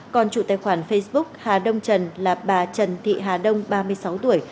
còn chủ tài khoản facebook hà đông trần là bà trần thị hà đông ba mươi sáu tuổi